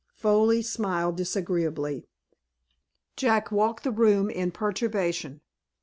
Foley smiled disagreeably. Jack walked the room in perturbation.